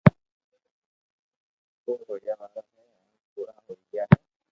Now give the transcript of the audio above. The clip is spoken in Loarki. پور ھويا وارا ھي ھين پورا ھوئي گيا ھي